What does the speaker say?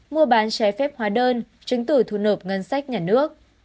mua bán trái phép hóa đơn chứng tử thu nộp ngân sách nhà nước